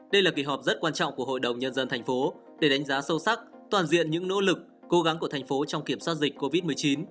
đây là kỳ họp rất quan trọng của hội đồng nhân dân thành phố để đánh giá sâu sắc toàn diện những nỗ lực cố gắng của thành phố trong kiểm soát dịch covid một mươi chín